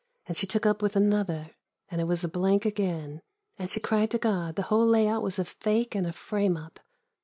And she took up with another and it was a blank again. And she cried to God the whole layout was a fake and a frame up.